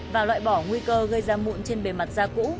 và loại bỏ nguy cơ gây ra mụn trên bề mặt da cũ